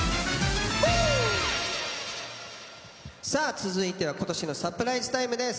続いては今年のサプライズタイムです。